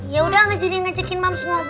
yaudah gak jadi ngajakin mams ngobrol deh